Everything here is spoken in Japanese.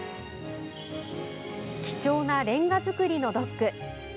貴重なレンガ造りのドック。